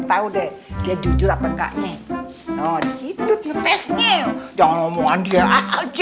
tahu deh dia jujur apa enggaknya no disitu tipe nya jangan omongan dia aja